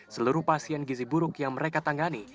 seluruh pasien gizi buruk yang mereka tangani